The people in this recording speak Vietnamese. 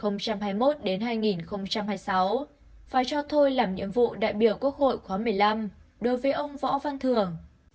phải cho thôi làm nhiệm vụ đại biểu quốc hội khóa một mươi năm đối với ông võ văn thường